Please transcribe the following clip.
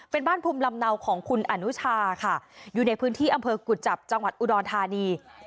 เป็นบ้านภูมิลำเนาของคุณอนุชาค่ะอยู่ในพื้นที่อำเภอกุจจับจังหวัดอุดรธานี